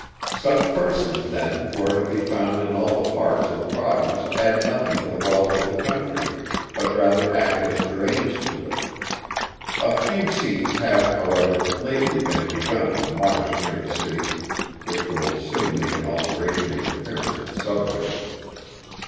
Such persons, then, who are to be found in all the ports of the Province add nothing to the wealth of the country, but rather act as drains to it. A few seats have, however, lately been begun on the Marsh near the City, which will soon make an alteration in the appearance of the Suburbs.